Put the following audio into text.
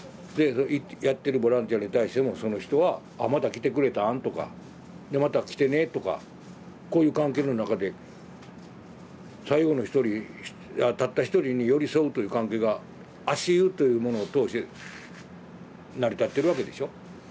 でやってるボランティアに対してもその人は「あまた来てくれたん」とか「また来てね」とか。こういう関係の中で最後の一人たった一人に寄り添うという関係が足湯というものを通して成り立ってるわけでしょ。